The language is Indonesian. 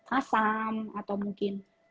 asam atau mungkin